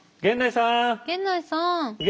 源内さん。